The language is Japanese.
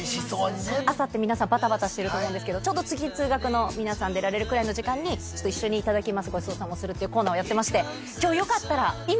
朝って皆さんバタバタしてると思うんですけどちょうど通勤通学の皆さん出られるくらいの時間に一緒に「いただきます」「ごちそうさま」するっていうコーナーをやってまして今日よかったら。